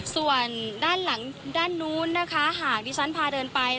ส่วนด้านหลังด้านนู้นนะคะหากดิฉันพาเดินไป